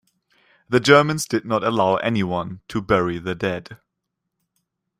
The Germans did not allow anyone to bury the dead.